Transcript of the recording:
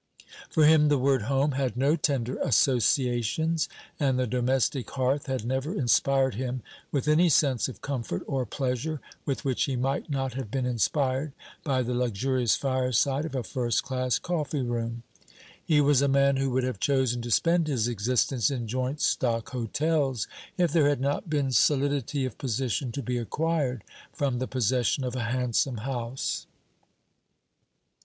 For him the word home had no tender associations, and the domestic hearth had never inspired him with any sense of comfort or pleasure with which he might not have been inspired by the luxurious fireside of a first class coffee room. He was a man who would have chosen to spend his existence in joint stock hotels, if there had not been solidity of position to be acquired from the possession of a handsome house.